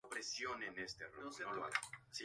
Falleció en su apartamento de Nueva York.